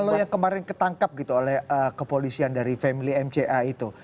kalau yang kemarin ketangkap gitu oleh kepolisian dari family mca itu